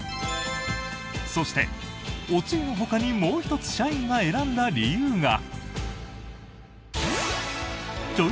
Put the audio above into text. そして、おつゆのほかにもう１つ社員が選んだ理由が。